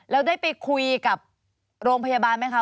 แล้วได้ไปคุยกับโรงพยาบาลไหมคะ